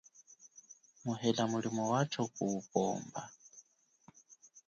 Muhela mulimo wacho kupomba.